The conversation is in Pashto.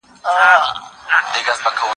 بېګناه كه وژل كېږي